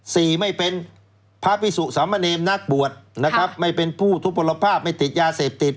สี่ไม่เป็นพระพิสุสมเนมนักบวชไม่เป็นผู้ทุบประภาพไม่ติดยาเสพติด